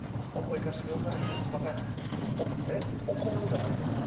えっ「怒る」じゃないんですか？